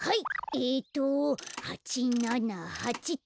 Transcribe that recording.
えっと８７８っと。